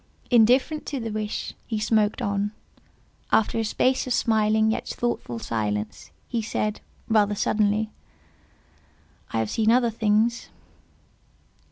Indifferent to the wish, he smoked on. After a space of smiling yet thoughtful silence, he said, rather suddenly—"I have seen other things."